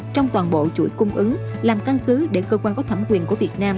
trong toàn bộ chuỗi cung ứng làm căn cứ để cơ quan có thẩm quyền của việt nam